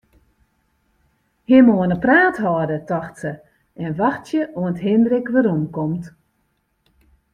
Him oan 'e praat hâlde, tocht se, en wachtsje oant Hindrik weromkomt.